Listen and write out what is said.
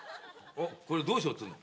これどうしようっつうの？